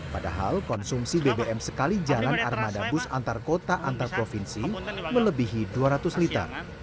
padahal konsumsi bbm sekali jalan armada bus antar kota antar provinsi melebihi dua ratus liter